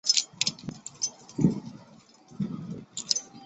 创立初时只有的日本安田纪念赛及香港冠军一哩赛两关。